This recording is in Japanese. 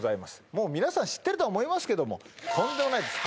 もう皆さん知ってるとは思いますけどもとんでもないです